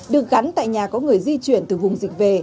được gắn tại nhà có người di chuyển từ vùng dịch về